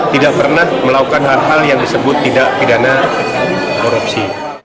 tidak pernah melakukan hal hal yang disebut tidak pidana korupsi